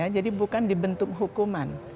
jadi bukan dibentuk hukuman